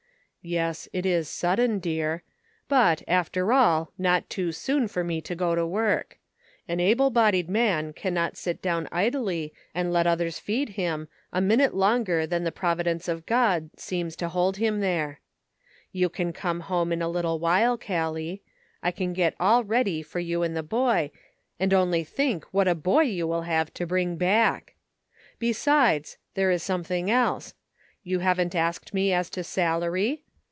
" Yes, it is sudden, dear ; but, after all, not too soon for me to go to work. An able bodied man can not sit down idly and let others feed him a minute longer than the providence of God seems to hold him there. You can come home in a little while, Callie. I can get all ready for you and the boy, and only think what a boy you will have to bring back. Besides, there is something else — you havn't asked me as to salary